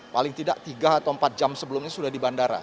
paling tidak tiga atau empat jam sebelumnya sudah di bandara